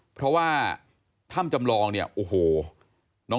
เพราะว่าถ้ำจำลองเนี่ยโอ้โห